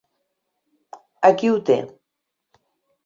Aquí ho té.